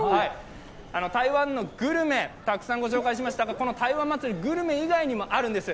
台湾のグルメ、たくさんご紹介しましたが、この台湾祭、グルメ以外にもあるんです。